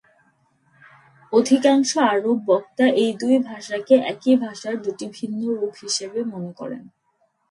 অধিকাংশ আরব বক্তা এই দুই ভাষাকে একই ভাষার দুটি ভিন্ন রূপ হিসাবে মনে করেন।